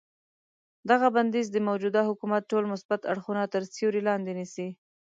دغه بندیز د موجوده حکومت ټول مثبت اړخونه تر سیوري لاندې نیسي.